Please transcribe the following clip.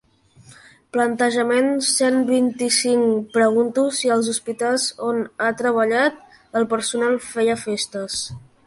Plantejament cent vint-i-cinc pregunto si als hospitals on ha treballat el personal feia festes.